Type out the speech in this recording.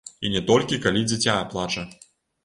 І не толькі калі дзіця плача.